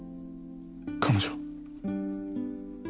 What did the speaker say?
彼女。